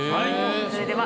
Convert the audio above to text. それでは。